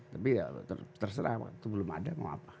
tapi terserah itu belum ada mau apa